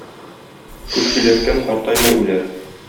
Күп сөйләшкән картаймый үләр.